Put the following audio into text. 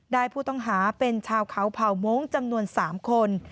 ได้ผู้ต้องหาเป็นชาวเขาเผาโม้งจำนวนสามคน